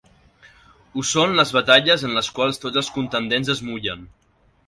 Ho són les batalles en les quals tots els contendents es mullen.